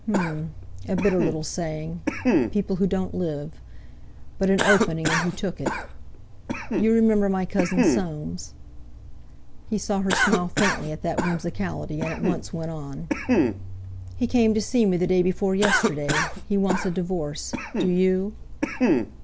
H'm! a bitter little saying! People who don't live! But an opening, and he took it. "You remember my Cousin Soames?" He saw her smile faintly at that whimsicality, and at once went on: "He came to see me the day before yesterday! He wants a divorce. Do you?"